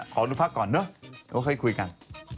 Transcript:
ขอหนูพักก่อนด้วยเขาให้คุยกัน